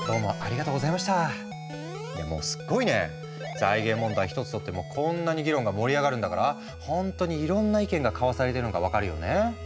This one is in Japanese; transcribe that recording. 財源問題一つとってもこんなに議論が盛り上がるんだからほんとにいろんな意見が交わされてるのが分かるよね。